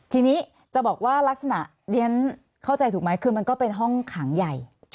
ทีนี้จะบอกว่าลักษณะเรียนเข้าใจถูกไหมคือมันก็เป็นห้องขังใหญ่